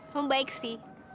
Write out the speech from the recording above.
kamu baik sih